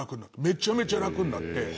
めちゃめちゃ楽になって。